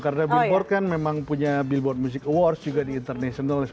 karena billboard kan memang punya billboard music awards juga di international